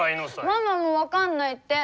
ママも分かんないって。